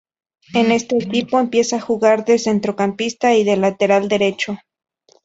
En este equipo empieza a jugar de centrocampista y de lateral derecho.